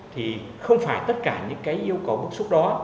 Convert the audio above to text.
thì không phải tất cả những cái yêu cầu bức xúc đó